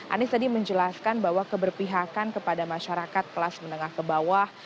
anies tadi menjelaskan bahwa keberpihakan kepada masyarakat kelas menengah ke bawah